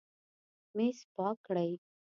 میز پاک کړئ